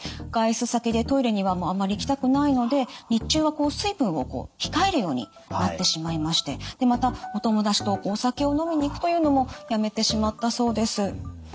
外出先でトイレにはあんまり行きたくないので日中は水分を控えるようになってしまいましてでまたお友達とお酒を飲みに行くというのもやめてしまったそうです。